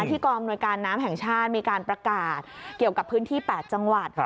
ที่กองอำนวยการน้ำแห่งชาติมีการประกาศเกี่ยวกับพื้นที่๘จังหวัด